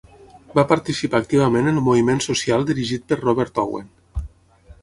Va participar activament en el moviment social dirigit per Robert Owen.